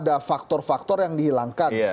ada faktor faktor yang dihilangkan